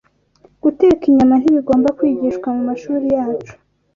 Guteka inyama ntibigomba kwigishwa mu mashuri yacu